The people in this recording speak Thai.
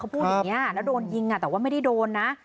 พูดอย่างนี้แล้วโดนยิงแต่ว่าไม่ได้โดนนะ